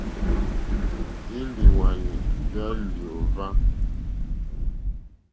Élìhwwànì já lyǒhwá.